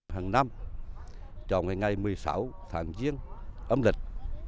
hằng năm trong ngày một mươi sáu tháng riêng âm lịch